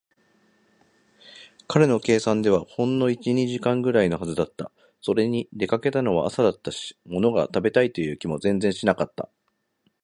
彼の計算ではほんの一、二時間ぐらいのはずだった。それに、出かけたのは朝だったし、ものが食べたいという気も全然しなかった。